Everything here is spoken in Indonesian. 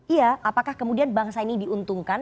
iya apakah kemudian bangsa ini diuntungkan